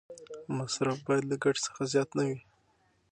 مصرف باید له ګټې څخه زیات نه وي.